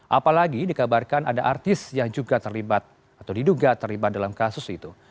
apalagi dikabarkan ada artis yang juga terlibat atau diduga terlibat dalam kasus itu